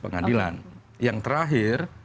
pengadilan yang terakhir